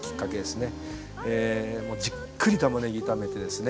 じっくりたまねぎ炒めてですね